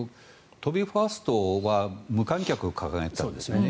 都民ファーストは無観客を掲げていたんですよね。